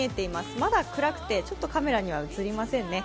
まだ暗くてカメラには映りませんね。